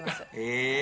ええ！